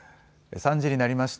３時になりました。